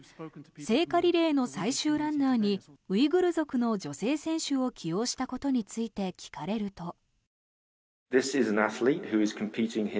聖火リレーの最終ランナーにウイグル族の女性選手を起用したことについて聞かれると。